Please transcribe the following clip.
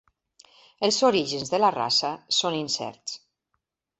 Els orígens de la raça són incerts.